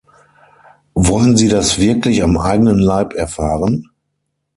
Wollen Sie das wirklich am eigenen Leib erfahren?